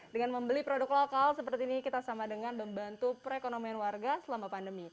dengan membeli produk lokal seperti ini kita sama dengan membantu perekonomian warga selama pandemi